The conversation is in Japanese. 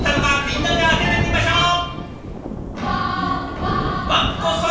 みんなで当ててみましょう！